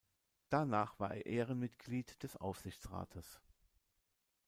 Danach war er Ehrenmitglied des Aufsichtsrates.